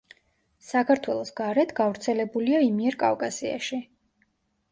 საქართველოს გარეთ გავრცელებულია იმიერკავკასიაში.